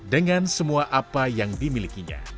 dengan semua apa yang dimilikinya